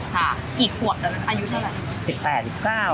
ค่ะอีกขวดอายุเท่าไหร่